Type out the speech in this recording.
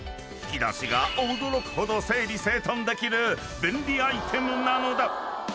［引き出しが驚くほど整理整頓できる便利アイテムなのだ］